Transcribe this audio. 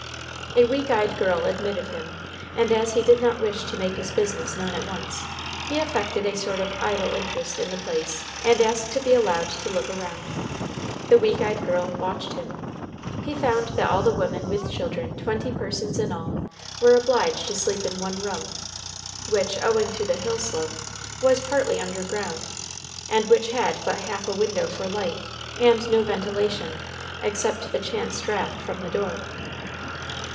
A weak eyed girl admitted him, and as he did not wish to make his business known at once, he affected a sort of idle interest in the place, and asked to be allowed to look round. The weak eyed girl watched him. He found that all the women with children, twenty persons in all, were obliged to sleep in one room, which, owing to the hill slope, was partly under ground, and which had but half a window for light, and no ventilation, except the chance draft from the door.